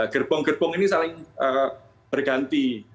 gerbong gerbong ini saling berganti